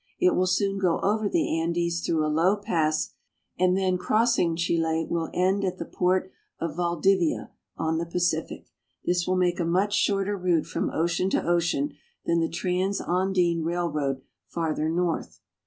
It will soon go over the Andes through a low pass, and then crossing Chile will end at the port of Valdivia, on the Pacific. This will make a much shorter route from ocean to ocean than the Trans andine Railroad farther north.